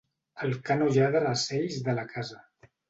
El ca no lladra a cells de la casa.